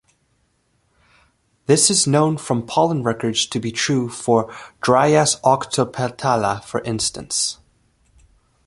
This is known from pollen records to be true for "Dryas octopetala", for instance.